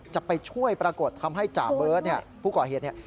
จะไปช่วยปรากฏทำให้จ่าเบิร์ตผู้ก่อเหตุเนี่ย